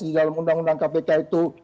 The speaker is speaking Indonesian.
di dalam undang undang kpk itu